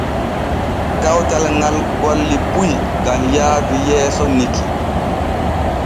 Kawtal ŋal golli puy gam yaadu yeeso nikki.